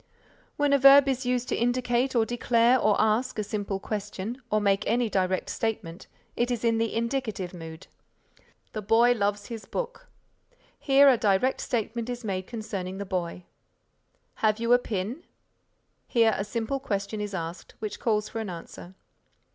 When a verb is used to indicate or declare or ask a simple question or make any direct statement, it is in the Indicative Mood. "The boy loves his book." Here a direct statement is made concerning the boy. "Have you a pin?" Here a simple question is asked which calls for an answer.